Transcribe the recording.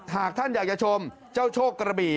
หากท่านอยากจะชมเจ้าโชคกระบี่